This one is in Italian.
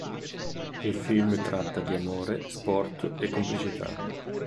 Il film tratta di amore, sport e complicità.